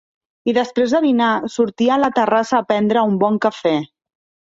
I després de dinar, sortia a la terrassa a prendre un bon cafè.